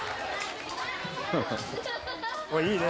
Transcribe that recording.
いいね！